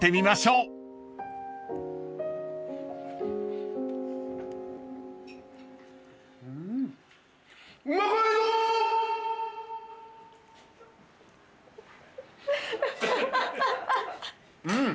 うん。